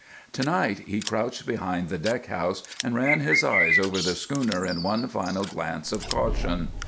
To night he crouched behind the deck house and ran his eye over the schooner in one final glance of caution.